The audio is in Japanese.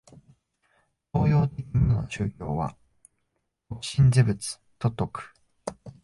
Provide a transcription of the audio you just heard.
東洋的無の宗教は即心是仏と説く。